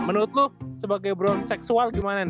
menurut lu sebagai brown seksual gimana nih sul